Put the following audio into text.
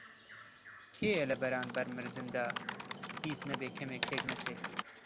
کێیە لە بەرانبەر مردندا هیچ نەبێ کەمێک تێک نەچێ؟